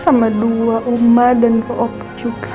sama dua umat dan fo'op juga